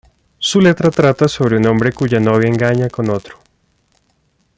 Su letra trata sobre un hombre cuya novia engaña con otro.